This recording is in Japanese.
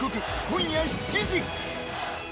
今夜７時。